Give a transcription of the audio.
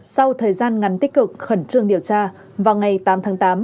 sau thời gian ngắn tích cực khẩn trương điều tra vào ngày tám tháng tám